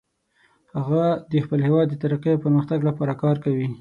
هغه د خپل هیواد د ترقۍ او پرمختګ لپاره کار کوي